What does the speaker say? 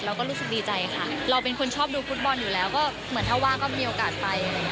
เราก็รู้สึกดีใจค่ะเราเป็นคนชอบดูฟุตบอลอยู่แล้วก็เหมือนถ้าว่างก็มีโอกาสไป